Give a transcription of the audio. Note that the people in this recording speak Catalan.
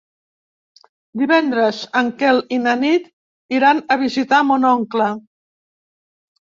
Divendres en Quel i na Nit iran a visitar mon oncle.